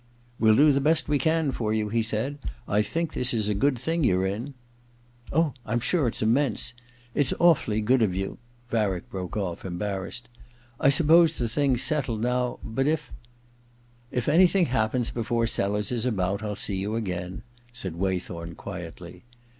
* We'll do the best we can for you/ he said. ' I think this is a good thing you're in.' *Oh, I'm sure it's immense. It's awfully good of you ' Varick broke off, em barrassed. ' I suppose the thing's settled now but if '^^^^ If anything happens before Sellers is about, I'll see you again,' said Waythorn quietly.